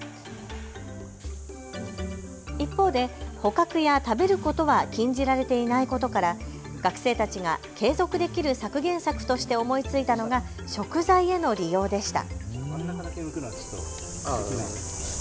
一方で捕獲や食べることは禁じられていないことから学生たちが継続できる削減策として思いついたのが食材への利用でした。